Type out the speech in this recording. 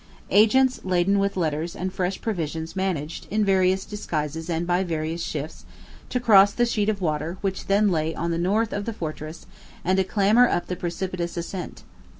Agents laden with letters and fresh provisions managed, in various disguises and by various shifts, to cross the sheet of water which then lay on the north of the fortress and to clamber up the precipitous ascent.